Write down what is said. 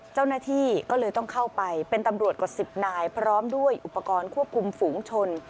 เจ้าหน้าที่ก็เลยต้องเข้าไปเป็นตำรวจกว่า๑๐นายพร้อมด้วยอุปกรณ์ควบคุมฝูงชน